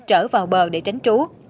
trở vào bờ để tránh trú